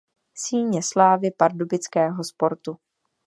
Síně slávy pardubického sportu.